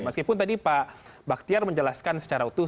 meskipun tadi pak baktiar menjelaskan secara utuh